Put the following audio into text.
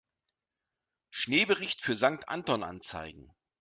Schneebericht für Sankt Anton anzeigen.